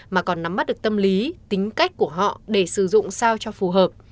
mà còn nắm mắt được tâm lý tính cách của họ để sử dụng sao cho phù hợp